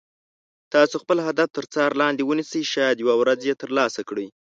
تاسو خپل هدف تر څار لاندې ونیسئ شاید یوه ورځ یې تر لاسه کړئ.